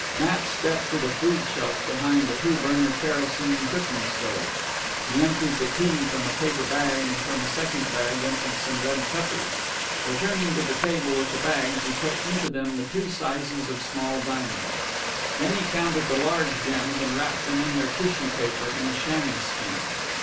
Matt stepped to the food shelf behind the two burner kerosene cooking stove. He emptied the tea from a paper bag, and from a second bag emptied some red peppers. Returning to the table with the bags, he put into them the two sizes of small diamonds. Then he counted the large gems and wrapped them in their tissue paper and chamois skin.